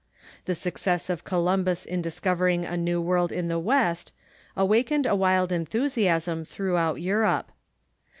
The success of Columbus in discovering a new world in the west awakened a wild enthusiasm throughout Europe.